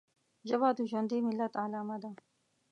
ژبه د ژوندي ملت علامه ده